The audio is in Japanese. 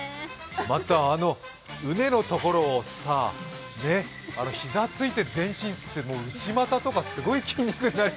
またあの、畝のところをさ膝ついて前進して、内股とかすごい筋肉つき